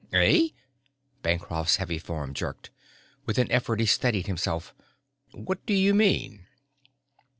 "Eh?" Bancroft's heavy form jerked. With an effort he steadied himself. "What do you mean?"